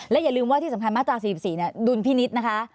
อย่าลืมว่าที่สำคัญมาตรา๔๔ดุลพินิษฐ์นะคะ